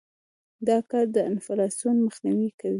دا کار د انفلاسیون مخنیوى کوي.